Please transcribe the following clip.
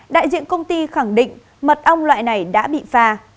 đại diện công ty khẳng định mật ong loại này đã bị phà